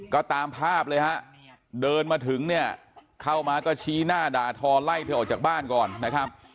ก็ตามภาพเลยฮะเดินมาถึงเนี่ยเข้ามาก็ชี้หน้าด่าทอไล่เธอออกจากบ้านก่อนนะครับ